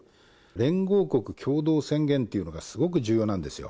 連合国共同宣言っていうのがすごく重要なんですよ。